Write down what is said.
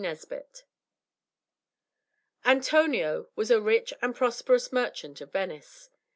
Nesbit Antonio was a rich and prosperous merchant of Venice.